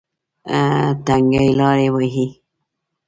تنګې لارې وې.